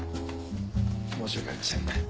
申し訳ありません。